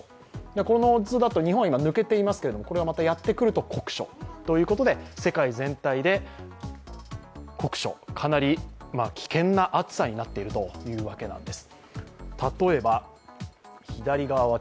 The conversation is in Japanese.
この図だと今日本は抜けていますけれども、これがまたやってくると酷暑ということで、世界全体で酷暑かなり危険な暑さになっているというわけなんです。